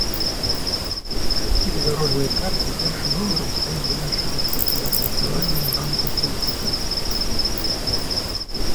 І ў дарожнай карце першым нумарам стаіць задача распрацаваць нацыянальную рамку кваліфікацый.